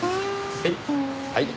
はい。